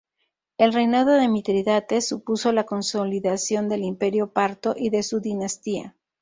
El reinado de Mitrídates supuso la consolidación del imperio parto y de su dinastía.